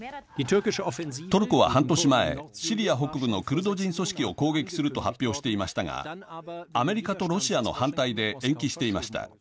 トルコは半年前シリア北部のクルド人組織を攻撃すると発表していましたがアメリカとロシアの反対で延期していました。